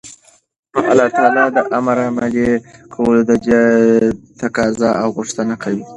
نو دالله تعالى امر عملي كول ددې تقاضا او غوښتنه كوي